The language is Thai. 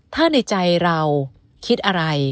ถ้าในใจเราคิดอะไร